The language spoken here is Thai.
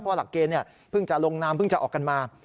เพราะหลักเกณฑ์เพิ่งจะลงนามเพิ่งจะออกกันมา